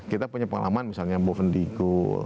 kita punya pengalaman misalnya bovendigo